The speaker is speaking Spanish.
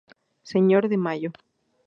Señor de Mayo.